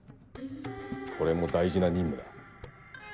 これも大事な任務だ。